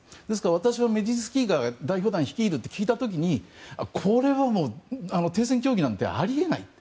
私はメジンスキーが代表団を率いると聞いた時にこれは停戦協議なんてあり得ないと。